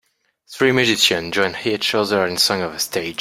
Three musicians join each other in song on a stage.